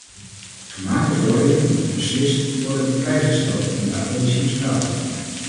Gemaakte vorderingen moeten beslist worden veiliggesteld, en daarvan is hier sprake.